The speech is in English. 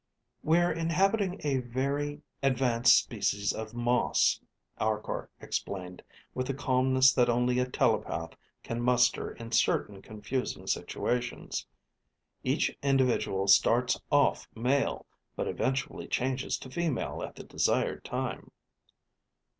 _ We're inhabiting a very advanced species of moss, Arkor explained, with the calmness that only a telepath can muster in certain confusing situations. _Each individual starts off male, but eventually changes to female at the desired time.